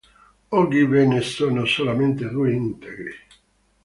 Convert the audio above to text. Oggi ve ne sono solamente due integri.